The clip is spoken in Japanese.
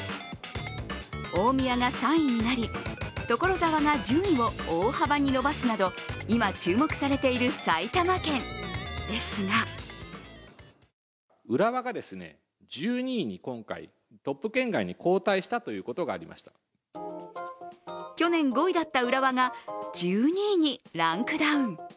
大宮が３位になり所沢が順位を大幅に伸ばすなど今注目されている埼玉県ですが去年５位だった浦和が１２位にランクダウン。